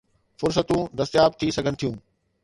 فرصتون دستياب ٿي سگهن ٿيون